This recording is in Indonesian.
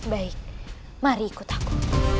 baik mari ikut aku